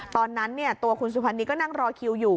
ตอนนั้นเนี่ยตัวคุณสุภัณฑ์นี้ก็นั่งรอคิวอยู่